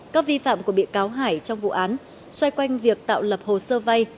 các vi phạm của bị cáo hải trong vụ án xoay quanh việc tạo lập hồ sơ vay